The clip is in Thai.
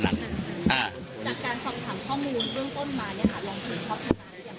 จากการสอบถามข้อมูลเรื่องก้มมาเนี่ยค่ะลองไปช็อตทำงานได้ไหม